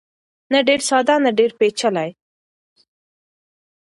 نه ډېر ساده نه ډېر پېچلی.